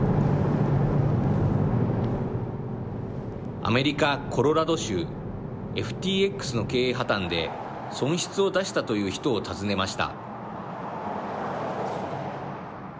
アメリカ・コロラド州ＦＴＸの経営破綻で損失を出したという人を訪ねました。